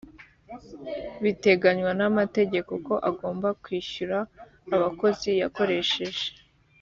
biteganywa na mategeko ko agomba kwishyura abakozi yakoresheje